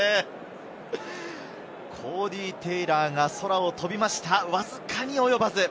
コーディー・テイラーが空を飛びました、わずかに及ばず。